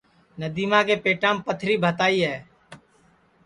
ندیما کے پیٹام پتھری بھتائی ہے